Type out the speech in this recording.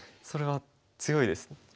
それは強いですね。